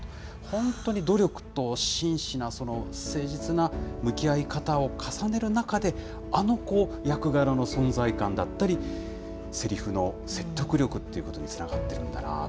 本当に努力と真摯な、誠実な向き合い方を重ねる中で、あの役柄の存在感だったり、せりふの説得力ということにつながっているんだ